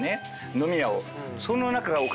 飲み屋を。